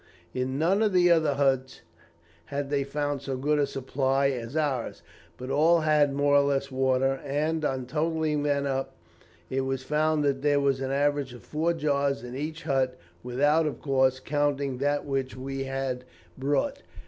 In none of the other huts had they found so good a supply as ours, but all had more or less water; and, on totalling them up, it was found that there was an average of four jars in each hut, without, of course, counting that which we had brought.